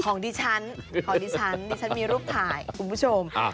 ของดิฉันดิฉันมีรูปถ่ายคุณผู้ชม